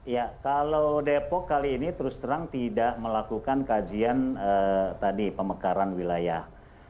ya kalau depok kali ini terus terang tidak melakukan kajian tadi pemekaran wilayah